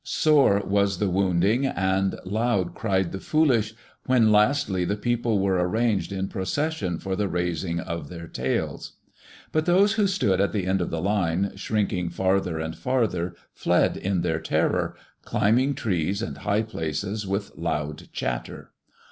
Sore was the wounding and loud cried the foolish, when lastly the people were arranged in procession for the razing of their tails. But those who stood at the end of the line, shrinking farther and farther, fled in their terror, climbing trees and high places, with loud chatter.